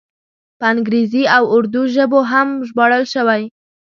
په انګریزي او اردو ژبو هم ژباړل شوی.